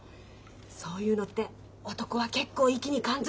そういうのって男は結構意気に感ずるもんよ。